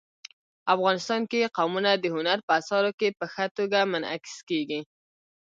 افغانستان کې قومونه د هنر په اثار کې په ښه توګه منعکس کېږي.